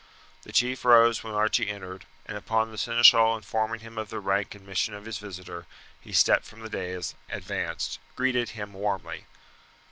The chief rose when Archie entered; and upon the seneschal informing him of the rank and mission of his visitor he stepped from the dais, and advancing, greeted him warmly.